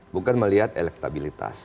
bukan melihat elektabilitas